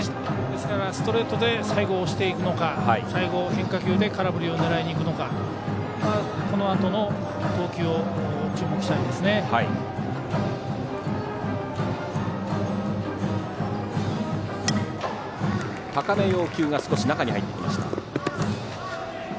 ですからストレートで最後押していくのか最後、変化球で空振りを狙いにいくかこのあとの投球を注目したいです。